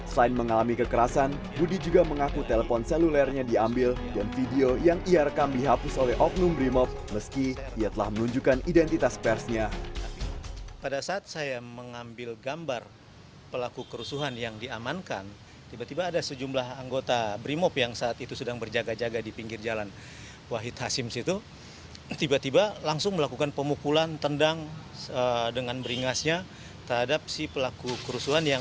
selain mengalami kekerasan budi juga mengaku telepon selulernya diambil dan video yang ia rekam dihapus oleh oknum brimob meski ia telah menunjukkan identitas persnya